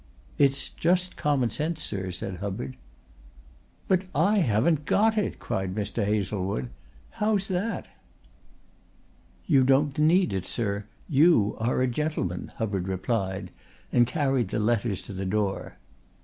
"It's just common sense, sir," said Hubbard. "But I haven't got it," cried Mr. Hazlewood. "How's that?" "You don't need it, sir. You are a gentleman," Hubbard replied, and carried the letters to the door.